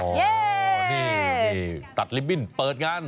อ๋อดีตัดลิบบินเปิดกัน